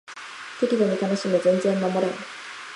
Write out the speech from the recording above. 適度に楽しめ全然守れん